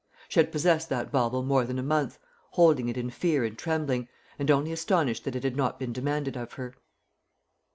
She had possessed the bauble more than a month, holding it in fear and trembling, and only astonished that it had not been demanded of her.